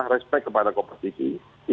respect kepada kopersiki